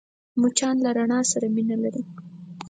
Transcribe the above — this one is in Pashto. مچان له رڼا سره مینه لري